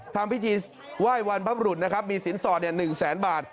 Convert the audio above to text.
ทำพิธีไหว้วันพรรพรุนนะครับมีศีลศอดเนี่ย๑๐๐๐๐๐บาท